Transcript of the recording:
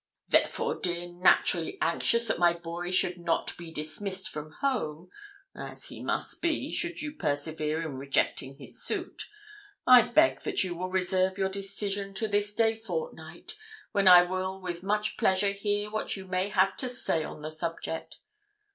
'Therefore, dear, naturally anxious that my boy should not be dismissed from home as he must be, should you persevere in rejecting his suit I beg that you will reserve your decision to this day fortnight, when I will with much pleasure hear what you may have to say on the subject.